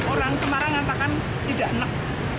orang semarang katakan tidak enak